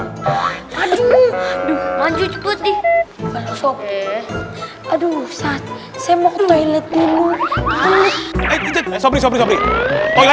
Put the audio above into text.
hai kedua saat saya mau toilet gini